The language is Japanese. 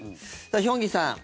ヒョンギさん